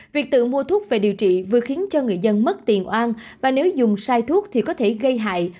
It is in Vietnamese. việc tự mua thuốc về điều trị vừa khiến cho người dân mất tiền oan và nếu dùng sai thuốc thì có thể gây hại